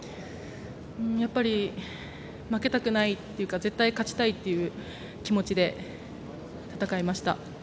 やっぱり負けたくないというか絶対、勝ちたいという気持ちで戦いました。